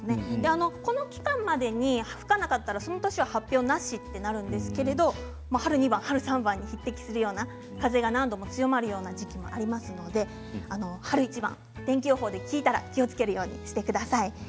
この期間までに吹かなかったらその年は発表なしとなるんですけど春二番、春三番に匹敵するような風が何度も強まるような時期もありますので春一番、天気予報で聞いたら気をつけるようにしてください。